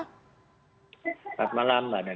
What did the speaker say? selamat malam mbak nadia